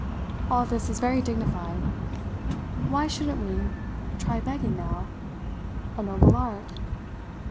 All this is very dignified. Why shouldn't we try begging now? A noble art?